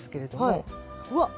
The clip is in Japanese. うわっ。